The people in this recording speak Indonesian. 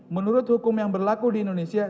menurut hukum yang berlaku di indonesia